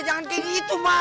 jangan kayak gitu mak